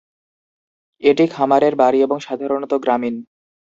এটি খামারের বাড়ি এবং সাধারণত গ্রামীণ।